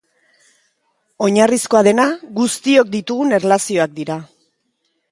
Oinarrizkoa dena, guztiok ditugun erlazioak dira.